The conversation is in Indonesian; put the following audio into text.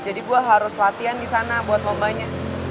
jadi gue harus latihan disana buat lombanya